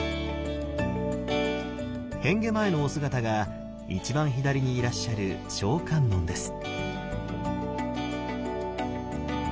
変化前のお姿が一番左にいらっしゃる聖観音です。